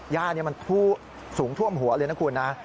ย่านี่มันสูงท่วมหัวเลยนะคุณนะ